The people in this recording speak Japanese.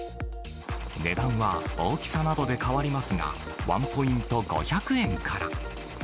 値段は大きさなどで変わりますが、１ポイント５００円から。